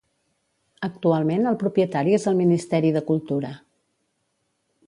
Actualment el propietari és el Ministeri de Cultura.